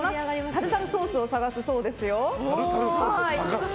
タルタルソースを探すそうですよ。